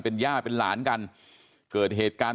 เป็นย่าเป็นหลานกันเกิดเหตุการณ์